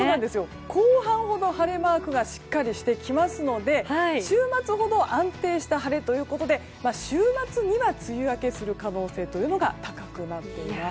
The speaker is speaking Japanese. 後半ほど晴れマークがしっかりしてきますので週末ほど安定した晴れということで週末には梅雨明けする可能性が高くなっています。